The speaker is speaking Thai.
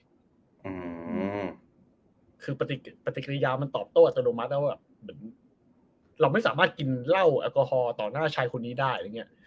อืมคือปฏิกิริยามันตอบโต้อัตโนมัติแล้วว่าเหมือนเราไม่สามารถกินเหล้าแอลกอฮอลต่อหน้าชายคนนี้ได้อะไรอย่างเงี้ย